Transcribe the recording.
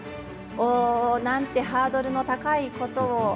おお！なんてハードルの高いことを。